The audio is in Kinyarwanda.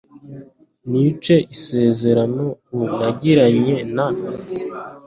nica isezerano u nagiranye na